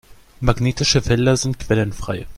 Magnetische Felder sind quellenfrei.